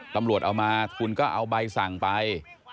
ตำรวจเอามาคุณก็เอาใบสั่งไป